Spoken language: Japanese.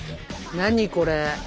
何これ。